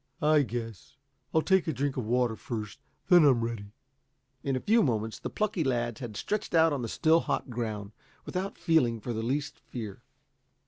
"I guess. I'll take a drink of water first; then I'm ready." In a few moments the plucky lads had stretched out on the still hot ground, without feeling the least fear.